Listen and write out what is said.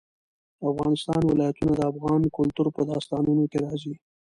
د افغانستان ولايتونه د افغان کلتور په داستانونو کې راځي.